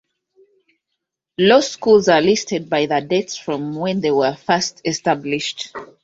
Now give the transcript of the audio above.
Law schools are listed by the dates from when they were first established.